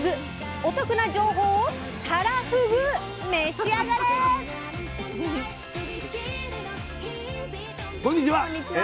お得な情報を「たらふぐ」召し上がれ！こんにちは。